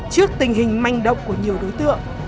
trước tình hình manh động của nhiều đối tượng